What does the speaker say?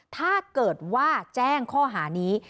ถ้าเกิดว่าแจ้งข้อหานี้